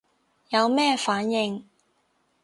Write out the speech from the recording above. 有咩反應